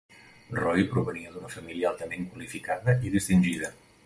Roy provenia d'una família altament qualificada i distingida.